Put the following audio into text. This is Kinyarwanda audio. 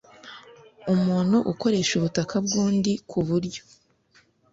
Umuntu ukoresha ubutaka bw undi ku buryo